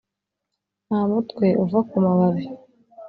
ntamutwe uva kumababi